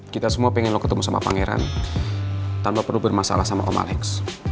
kita semua pengen ketemu sama pangeran tanpa perlu bermasalah sama om alex